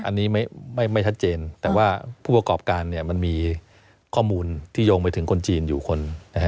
อันนี้ไม่ชัดเจนแต่ว่าผู้ประกอบการมันมีข้อมูลที่โยงไปถึงคนจีนอยู่คน